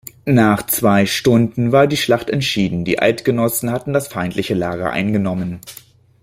Nach zwei Stunden war die Schlacht entschieden, die Eidgenossen hatten das feindliche Lager eingenommen.